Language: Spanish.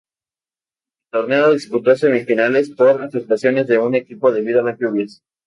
El torneo no disputó semifinales por afectaciones de un equipo, debido a las lluvias.